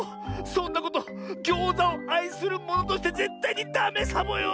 そんなことギョーザをあいするものとしてぜったいにダメサボよ！